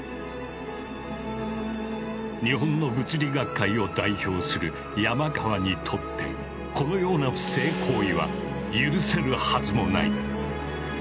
日本の物理学会を代表する山川にとってこのような不正行為は許せるはずもない。